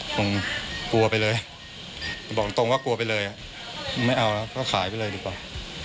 คงกลัวไปเลยบอกตรงว่ากลัวไปเลยไม่เอาแล้วก็ขายไปเลยดีกว่า